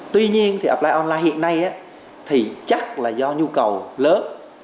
tuy nhiên thì apply online hiện nay thì chắc là do nhu cầu lớn